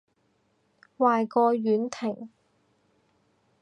壞過婉婷